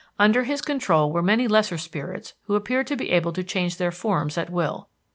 Under his control were many lesser spirits who appeared to be able to change their forms at will.